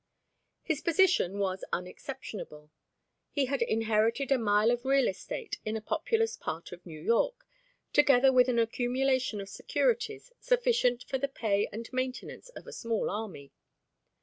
His position was unexceptionable. He had inherited a mile of real estate in a populous part of New York, together with an accumulation of securities sufficient for the pay and maintenance of a small army.